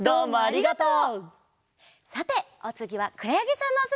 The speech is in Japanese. どうもありがとう！